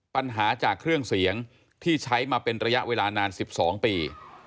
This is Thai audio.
ปัญหาจากเครื่องเสียงที่ใช้มาเป็นระยะเวลานาน๑๒ปี